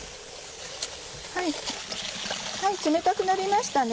冷たくなりましたね。